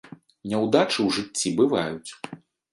Няўдачы ў жыцці бываюць.